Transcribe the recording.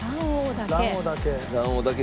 卵黄だけ？